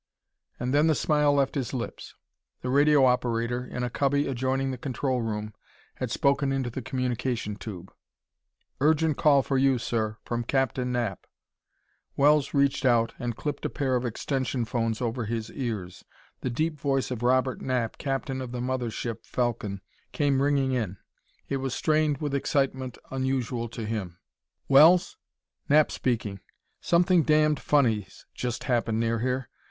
And then the smile left his lips. The radio operator, in a cubby adjoining the control room, had spoken into the communication tube: "Urgent call for you, sir! From Captain Knapp!" Wells reached out and clipped a pair of extension phones over his ears. The deep voice of Robert Knapp, captain of the mother ship Falcon, came ringing in. It was strained with an excitement unusual to him. "Wells? Knapp speaking. Something damned funny's just happened near here.